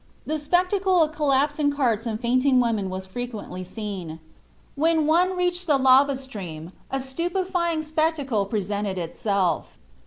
The spectacle of collapsing carts and fainting women was frequently seen. When one reached the lava stream a stupefying spectacle presented itself.